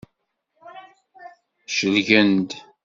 Celgen-d.